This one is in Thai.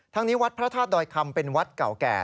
นี้วัดพระธาตุดอยคำเป็นวัดเก่าแก่